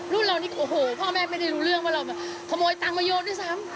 รุ่นเรานี่โอ้โฮพ่อแม่ไม่ได้รู้เรื่องว่าเราขโมยตังค์มาโยนที่สาม